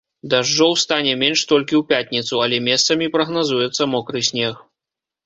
Дажджоў стане менш толькі ў пятніцу, але месцамі прагназуецца мокры снег.